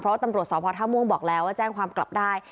เพราะว่าตำรวจสพท่าม่วงบอกแล้วว่าแจ้งความกลับได้